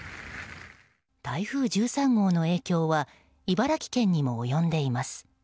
台風１３号の影響は茨城県にも及んでいます。